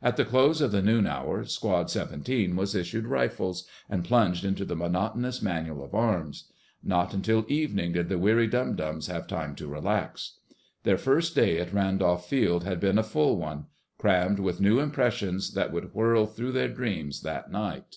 At the close of the noon hour, Squad 17 was issued rifles, and plunged into the monotonous manual of arms. Not until evening did the weary dum dums have time to relax. Their first day at Randolph Field had been a full one—crammed with new impressions that would whirl through their dreams that night.